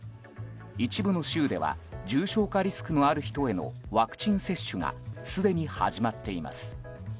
一部の州では重症化リスクのある人へのワクチン接種がすでに始まっています。